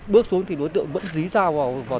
bước xuống thì đối tượng vẫn dí ra vào